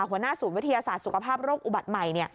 หัวหน้าศูนย์วิทยาศาสตร์สุขภาพโรคอุบัติใหม่